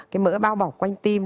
cái mỡ bao bọc quanh tim